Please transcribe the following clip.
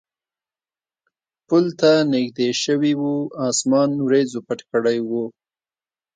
پل ته نږدې شوي و، اسمان وریځو پټ کړی و.